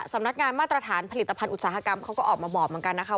สำนักงานมาตรฐานผลิตภัณฑ์อุตสาหกรรมเขาก็ออกมาบอกเหมือนกันนะคะ